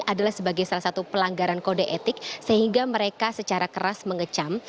adalah sebagai salah satu pelanggaran kode etik sehingga mereka secara keras mengecam